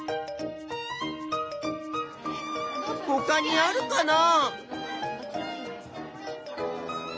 ほかにあるかな？